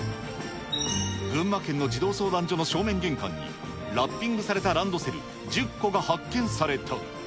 群馬県の児童相談所の正面玄関にラッピングされたランドセル１０個が発見された。